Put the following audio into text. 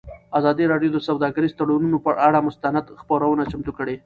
ازادي راډیو د سوداګریز تړونونه پر اړه مستند خپرونه چمتو کړې.